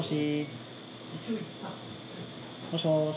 もしもし。